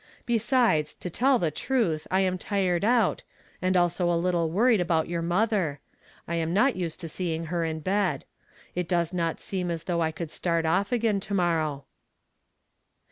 Besides, to tell the truth, I am tired out, and also a little won ied about your mother ; I am not used to see ing litjr in bed. It does not seem as thougli I could start off again to morrow."